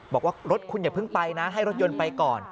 บอกว่ารถคุณอย่าเพิ่งไปนะให้รถยนต์ไปก่อน